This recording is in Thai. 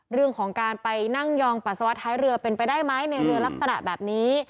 เรื่องของการไปนั่งยองปัสสาวะท้ายเรือเป็นไปได้ไหมในเรือลักษณะแบบนี้